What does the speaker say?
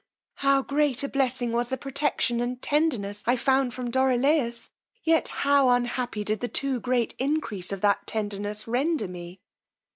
How great a blessing was the protection and tenderness I found from Dorilaus, yet how unhappy did the too great increase of that tenderness render, me!